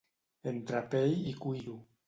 Entre pell i cuiro.